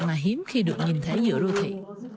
mà hiếm khi được nhìn thấy giữa đô thị